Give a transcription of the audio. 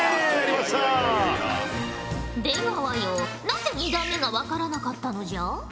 なぜ２段目が分からなかったのじゃ？